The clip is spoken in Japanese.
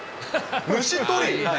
虫捕り？